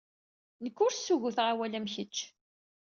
Nekk ur ssugguteɣ awal am kecc.